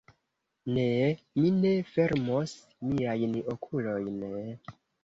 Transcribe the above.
Ne... mi ne fermos miajn okulojn...